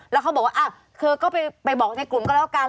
แล้วเค้าบอกว่าอ่ะเค้าก็ไปบอกในกลุ่มกันแล้วกัน